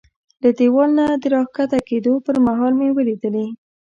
له دېوال نه د را کښته کېدو پر مهال مې ولیدلې.